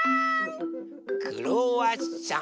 クロワッサン。